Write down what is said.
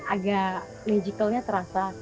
agak magical nya terasa